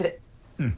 うん。